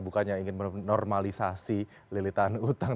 bukannya ingin menormalisasi lilitan utang